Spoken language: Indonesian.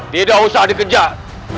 tidak usah dikejar